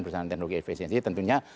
bersama teknologi efisiensi tentunya